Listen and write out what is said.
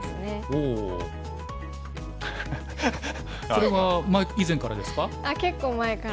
それは以前からですか？